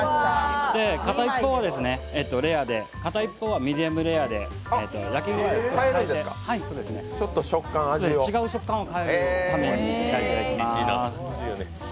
片一方はレアで、片一方はミディアムレアで、違う食感に変えるために、焼いていきます。